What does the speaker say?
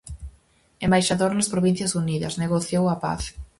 Embaixador nas Provincias Unidas, negociou a Paz.